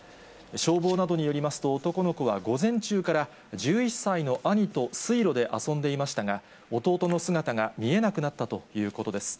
消防などによりますと、男の子は午前中から、１１歳の兄と水路で遊んでいましたが、弟の姿が見えなくなったということです。